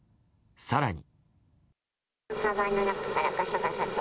更に。